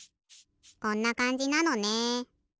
こんなかんじなのね。